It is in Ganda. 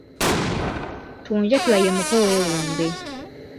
Tonjatula ye mukoweewumbe.